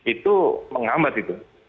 itu menghambat itu